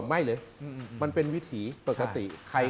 ไม่เลยมันเป็นวิถีปกติ